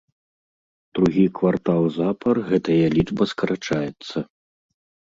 Другі квартал запар гэтая лічба скарачаецца.